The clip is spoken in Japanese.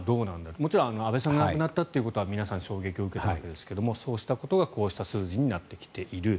もちろん安倍さんが亡くなったということは皆さん衝撃を受けたわけですがそうしたことがこうした数字になってきている。